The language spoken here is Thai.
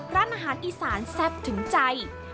ร้านอาหารอีสานแซ่บถึงใจ